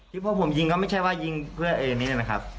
ที่พวกผมยิงก็ไม่ใช่ว่ายิงเพื่อแบบนี้นะครับ